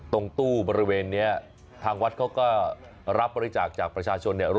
ตรงตู้บริเวณนี้ทางวัดเขาก็รับบริจาคจากประชาชนเนี่ย